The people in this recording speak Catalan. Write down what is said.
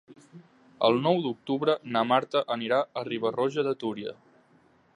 El nou d'octubre na Marta anirà a Riba-roja de Túria.